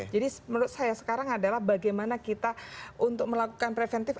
jadi menurut saya sekarang adalah bagaimana kita untuk melakukan preventif